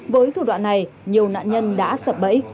với thủ đoạn này nhiều nạn nhân đã sập bẫy